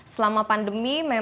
selama pandemi memang